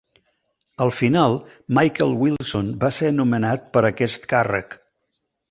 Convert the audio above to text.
Al final, Michael Wilson va ser nomenat per a aquest càrrec.